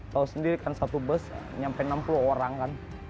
tahu sendiri kan satu bus nyampe enam puluh orang kan